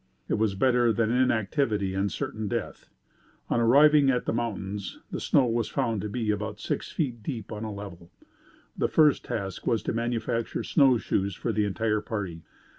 It was better than inactivity and certain death. On arriving at the mountains the snow was found to be about six feet deep on a level. The first task was to manufacture snow shoes for the entire party.